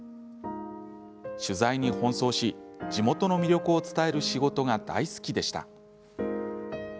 取材に奔走し、地元の魅力を伝える仕事が大好きでした。